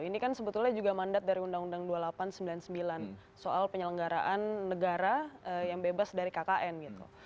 ini kan sebetulnya juga mandat dari undang undang dua ribu delapan ratus sembilan puluh sembilan soal penyelenggaraan negara yang bebas dari kkn gitu